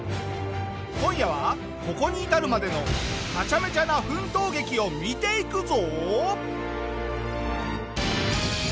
今夜はここに至るまでのハチャメチャな奮闘劇を見ていくぞ！